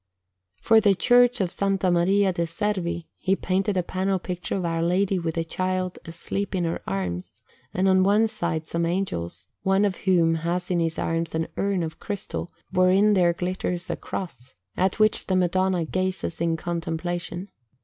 For the Church of S. Maria de' Servi he painted a panel picture of Our Lady with the Child asleep in her arms, and on one side some Angels, one of whom has in his arms an urn of crystal, wherein there glitters a Cross, at which the Madonna gazes in contemplation.